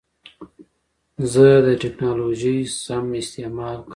زه د ټکنالوژۍ سم استعمال کوم.